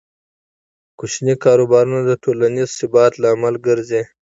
کوچني کاروبارونه د ټولنیز ثبات لامل ګرځي.